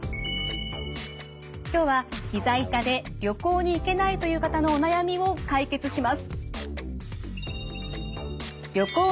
今日はひざ痛で旅行に行けないという方のお悩みを解決します。